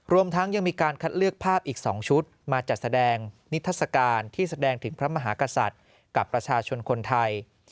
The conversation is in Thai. รวมทั้งยังมีการคัดเลือกภาพอีก๒ชุดมาจัดแสดงนิทัศกาลที่แสดงถึงพระมหากษัตริย์กับประชาชนคนไทย